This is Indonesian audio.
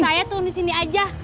saya turun di sini aja